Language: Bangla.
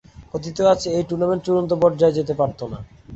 কথিত আছে এই টুর্নামেন্ট চূড়ান্ত পর্যায়ে যেতে পারতো না।